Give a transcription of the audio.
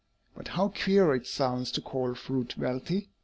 "But how queer it sounds to call fruit wealthy!"